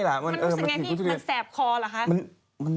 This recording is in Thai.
มันรู้สึกไงพี่มันแสบคอเหรอคะ